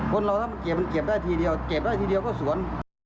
คนเราเก็บได้ทีเดียวก็สวน